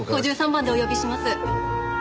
５３番でお呼びします。